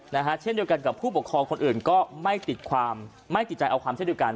เช่นเดียวกันกับผู้ปกครองคนอื่นก็ไม่ติดความไม่ติดใจเอาความเช่นเดียวกัน